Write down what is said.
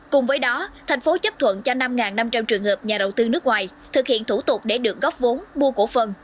cùng với đó thành phố chấp thuận cho năm năm trăm linh trường hợp nhà đầu tư nước ngoài thực hiện thủ tục để được góp vốn mua cổ phần